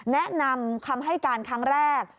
แนะนำคำให้การครั้งแรก